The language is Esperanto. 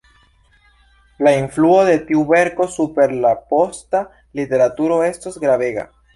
La influo de tiu verko super la posta literaturo estos gravega.